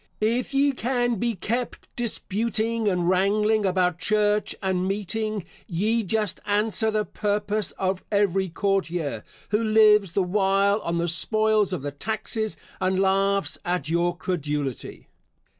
If ye can be kept disputing and wrangling about church and meeting, ye just answer the purpose of every courtier, who lives the while on the spoils of the taxes, and laughs at your credulity.